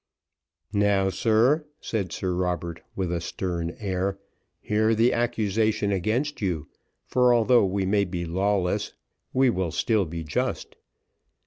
"Now, sir," said Sir Robert, with a stern air, "hear the accusation against you, for although we may be lawless, we will still be just.